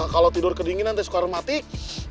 kalau tidur kedinginan itu suka aromatik